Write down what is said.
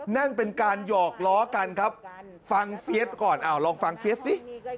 นั่นเป็นการหยอกล้อกันครับฟังเฟียสก่อนลองฟังเฟียสสิ